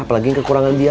apalagi kekurangan biaya